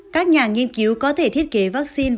các nhà nghiên cứu có thể thiết kế vaccine